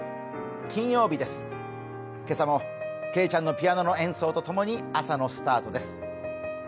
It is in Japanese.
金曜日です、今朝もけいちゃんのピアノの演奏とともに朝のスタートです。